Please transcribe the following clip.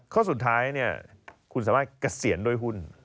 ข้อสุดท้ายคุณสามารถเกษียณด้วยหุ้น